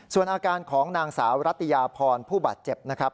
ส่วนอาการของนางสาวรัตยาพรผู้บาดเจ็บนะครับ